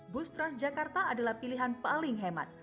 bus trans jakarta adalah pilihan paling hemat